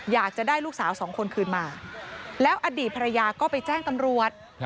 อยากจะได้ลูกสาวสองคนคืนมาแล้วอดีตภรรยาก็ไปแจ้งตำรวจ